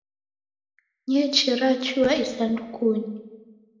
Ny'eche rachua isandukunyi.